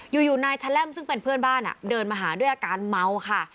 อยู่นายแชล่มซึ่งเป็นเพื่อนบ้านเดินมาหาด้วยอาการเมาค่ะ